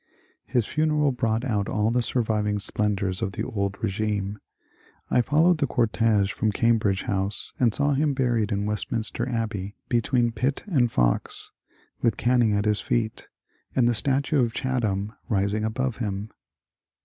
His funeral brought out all the surviving splendours of the old regime. I followed the cortege from Cambridge House, and saw him buried in Westminster Abbey between Pitt and Fox, with Canning at his feet, and the statue of Chatham rising above him.